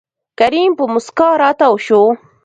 کريم په موسکا راتاو شو.